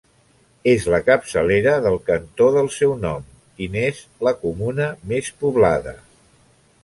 És la capçalera del cantó del seu nom i n'és la comuna més poblada.